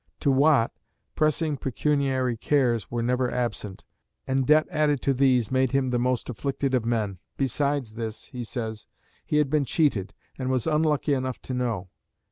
To Watt, pressing pecuniary cares were never absent, and debt added to these made him the most afflicted of men. Besides this, he says, he had been cheated and was "unlucky enough to know."